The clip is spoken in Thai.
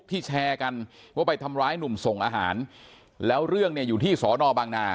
แชร์กันว่าไปทำร้ายหนุ่มส่งอาหารแล้วเรื่องเนี่ยอยู่ที่สอนอบางนา